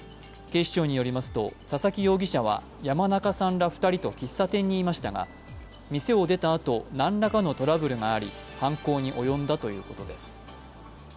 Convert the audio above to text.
警視庁によりますと、佐々木容疑者は山中さんら２人と喫茶店にいましたが、店を出た後何らかのトラブルがあり犯行に及んだということです。